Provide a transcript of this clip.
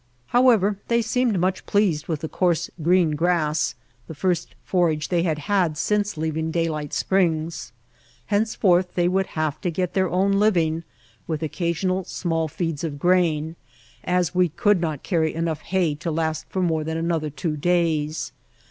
However, they seemed much pleased with the coarse, green grass, the first forage they had had since leaving Daylight Springs. Henceforth they would have to get their own living with occasional small feeds of grain, as we could not carry enough hay to last for more than another two days.